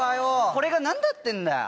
これがなんだってんだよ？